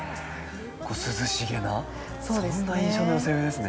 涼しげなそんな印象の寄せ植えですね。